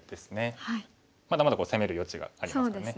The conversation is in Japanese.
まだまだ攻める余地がありますからね。